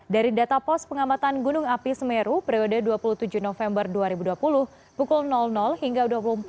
dari data pos pengamatan gunung api semeru periode dua puluh tujuh november dua ribu dua puluh pukul hingga dua puluh empat